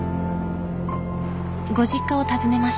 ご実家を訪ねました